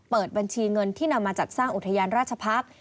เปิดบัญชีเงินที่นำมาจัดสร้างอุทยานราชพักษ์